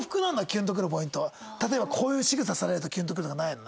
例えばこういうしぐさされるとキュンとくるとかないの？